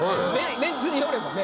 メンツによればね。